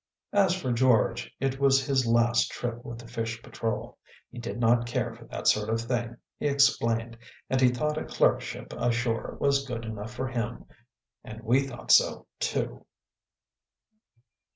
As for George, it was his last trip with the fish patrol. He did not care for that sort of thing, he explained, and he thought a clerkship ashore was good enough for him. And we thought so too.